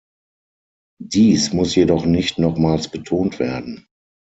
Dies muss jedoch nicht nochmals betont werden.